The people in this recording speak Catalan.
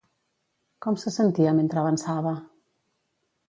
Com se sentia mentre avançava?